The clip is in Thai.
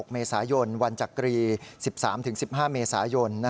เมษายนวันจักรี๑๓๑๕เมษายน